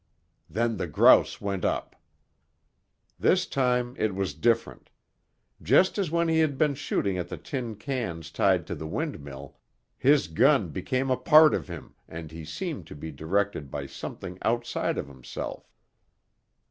Then the grouse went up. This time it was different. Just as when he had been shooting at the tin cans tied to the windmill, his gun became a part of him and he seemed to be directed by something outside of himself.